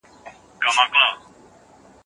د سردرد یادښت څارنه اسانه کوي.